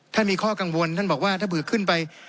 มีข้อกังวลท่านบอกว่าถ้าเบื่อขึ้นไป